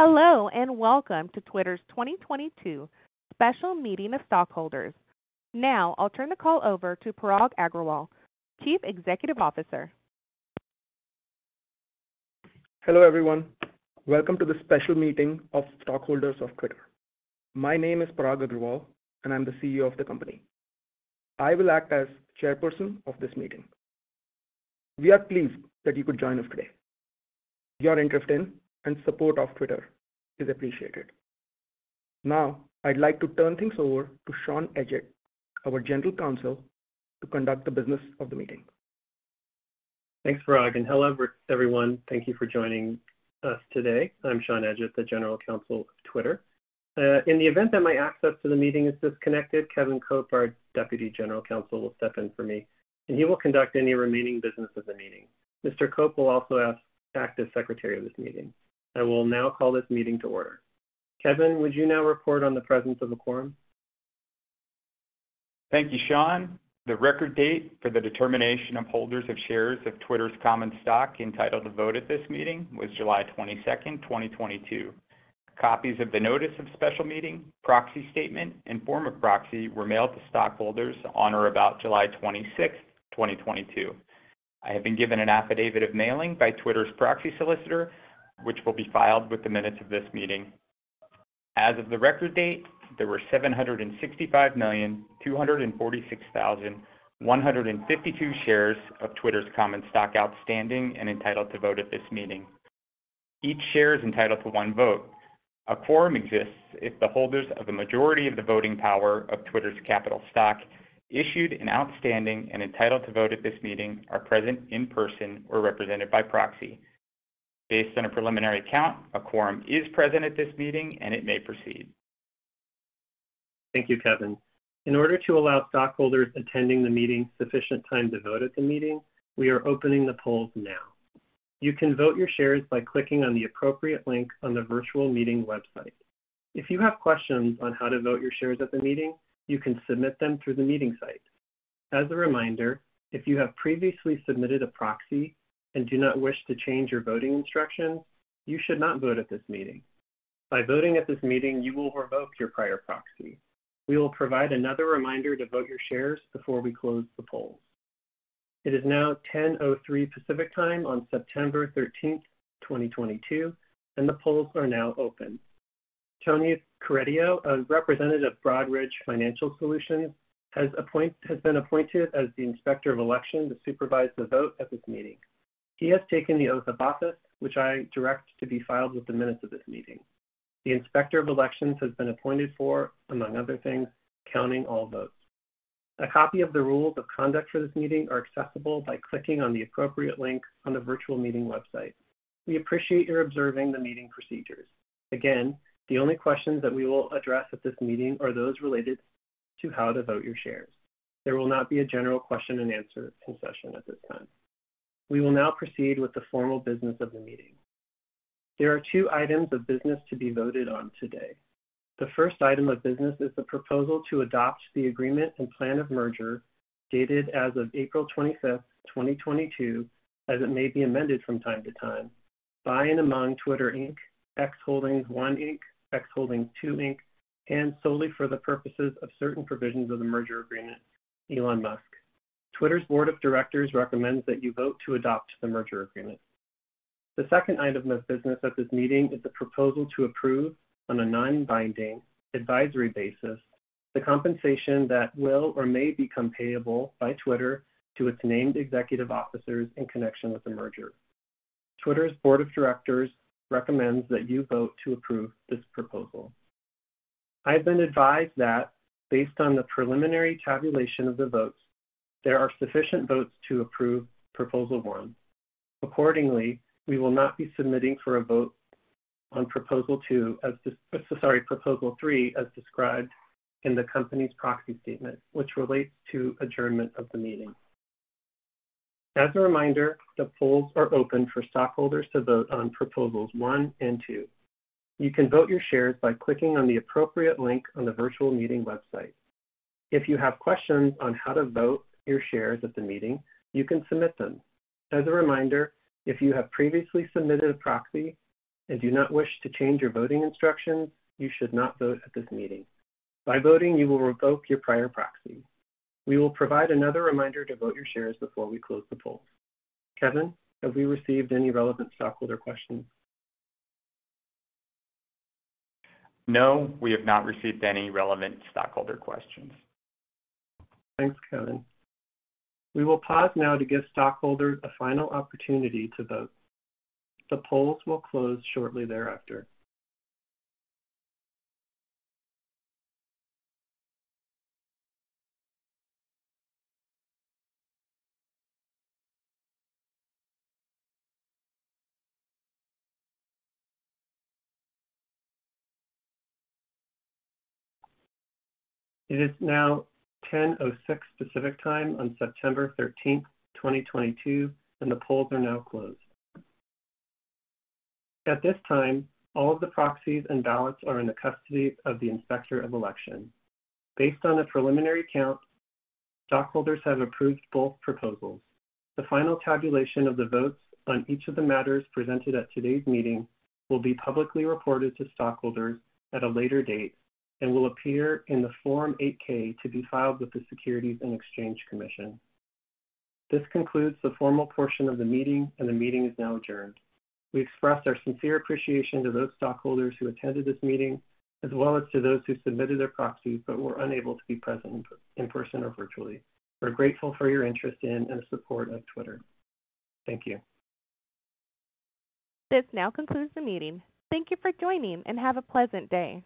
Hello, and welcome to Twitter's 2022 special meeting of stockholders. Now I'll turn the call over to Parag Agrawal, Chief Executive Officer. Hello, everyone. Welcome to the special meeting of stockholders of Twitter. My name is Parag Agrawal, and I'm the CEO of the company. I will act as chairperson of this meeting. We are pleased that you could join us today. Your interest in and support of Twitter is appreciated. Now I'd like to turn things over to Sean Edgett, our General Counsel, to conduct the business of the meeting. Thanks, Parag, and hello everyone. Thank you for joining us today. I'm Sean Edgett, the General Counsel of Twitter. In the event that my access to the meeting is disconnected, Kevin Cope, our Deputy General Counsel, will step in for me, and he will conduct any remaining business of the meeting. Mr. Cope will also act as Secretary of this meeting. I will now call this meeting to order. Kevin, would you now report on the presence of a quorum? Thank you, Sean. The record date for the determination of holders of shares of Twitter's common stock entitled to vote at this meeting was July 22nd, 2022. Copies of the notice of special meeting, proxy statement, and form of proxy were mailed to stockholders on or about July 26th, 2022. I have been given an affidavit of mailing by Twitter's proxy solicitor, which will be filed with the minutes of this meeting. As of the record date, there were 765,246,152 shares of Twitter's common stock outstanding and entitled to vote at this meeting. Each share is entitled to one vote. A quorum exists if the holders of the majority of the voting power of Twitter's capital stock issued and outstanding and entitled to vote at this meeting are present in person or represented by proxy. Based on a preliminary count, a quorum is present at this meeting, and it may proceed. Thank you, Kevin. In order to allow stockholders attending the meeting sufficient time to vote at the meeting, we are opening the polls now. You can vote your shares by clicking on the appropriate link on the virtual meeting website. If you have questions on how to vote your shares at the meeting, you can submit them through the meeting site. As a reminder, if you have previously submitted a proxy and do not wish to change your voting instructions, you should not vote at this meeting. By voting at this meeting, you will revoke your prior proxy. We will provide another reminder to vote your shares before we close the polls. It is now 10:03 Pacific time on September 13, 2022, and the polls are now open. Tony Carideo, a representative of Broadridge Financial Solutions, has appoint... has been appointed as the Inspector of Election to supervise the vote at this meeting. He has taken the oath of office, which I direct to be filed with the minutes of this meeting. The Inspector of Election has been appointed for, among other things, counting all votes. A copy of the rules of conduct for this meeting are accessible by clicking on the appropriate link on the virtual meeting website. We appreciate your observing the meeting procedures. Again, the only questions that we will address at this meeting are those related to how to vote your shares. There will not be a general question and answer session at this time. We will now proceed with the formal business of the meeting. There are two items of business to be voted on today. The first item of business is the proposal to adopt the Agreement and Plan of Merger dated as of April 25, 2022, as it may be amended from time to time, by and among Twitter, Inc, X Holdings I, Inc, X Holdings II, Inc, and solely for the purposes of certain provisions of the merger agreement, Elon Musk. Twitter's board of directors recommends that you vote to adopt the merger agreement. The second item of business at this meeting is the proposal to approve on a non-binding advisory basis the compensation that will or may become payable by Twitter to its named executive officers in connection with the merger. Twitter's board of directors recommends that you vote to approve this proposal. I have been advised that based on the preliminary tabulation of the votes, there are sufficient votes to approve Proposal one. Accordingly, we will not be submitting for a vote on proposal three as described in the company's proxy statement, which relates to adjournment of the meeting. As a reminder, the polls are open for stockholders to vote on proposals one and two. You can vote your shares by clicking on the appropriate link on the virtual meeting website. If you have questions on how to vote your shares at the meeting, you can submit them. As a reminder, if you have previously submitted a proxy and do not wish to change your voting instructions, you should not vote at this meeting. By voting, you will revoke your prior proxy. We will provide another reminder to vote your shares before we close the polls. Kevin, have we received any relevant stockholder questions? No, we have not received any relevant stockholder questions. Thanks, Kevin. We will pause now to give stockholders a final opportunity to vote. The polls will close shortly thereafter. It is now 10:06 Pacific time on September 13th, 2022, and the polls are now closed. At this time, all of the proxies and ballots are in the custody of the Inspector of Election. Based on a preliminary count, stockholders have approved both proposals. The final tabulation of the votes on each of the matters presented at today's meeting will be publicly reported to stockholders at a later date and will appear in the Form 8-K to be filed with the Securities and Exchange Commission. This concludes the formal portion of the meeting, and the meeting is now adjourned. We express our sincere appreciation to those stockholders who attended this meeting, as well as to those who submitted their proxies but were unable to be present in person or virtually. We're grateful for your interest in and support of Twitter. Thank you. This now concludes the meeting. Thank you for joining, and have a pleasant day.